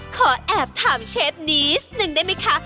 ขอแอบถามเชฟนี้สักหนึ่งได้ไหมคะ